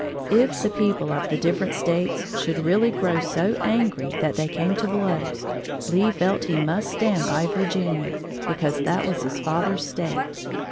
If the people of the different States should really grow so angry that they came to blows, Lee felt he must stand by Virginia, because that was his father's State.